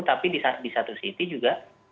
tapi di satu sisi juga